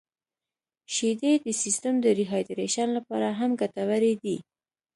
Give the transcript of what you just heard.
• شیدې د سیستم د ریهایدریشن لپاره هم ګټورې دي.